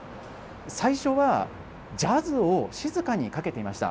最初は、ジャズを静かにかけていました。